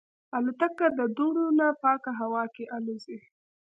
الوتکه د دوړو نه پاکه هوا کې الوزي.